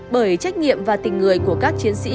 bởi trách nhiệm và tình người của các chiến sĩ